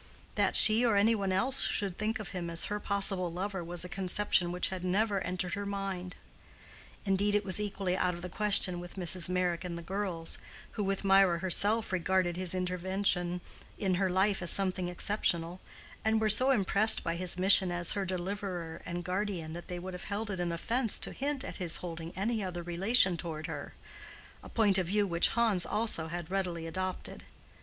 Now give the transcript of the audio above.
That she or any one else should think of him as her possible lover was a conception which had never entered her mind; indeed it was equally out of the question with Mrs. Meyrick and the girls, who with Mirah herself regarded his intervention in her life as something exceptional, and were so impressed by his mission as her deliverer and guardian that they would have held it an offense to him at his holding any other relation toward her: a point of view which Hans also had readily adopted.